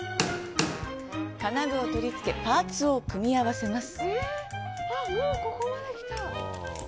金具を取りつけパーツを組み合わせます。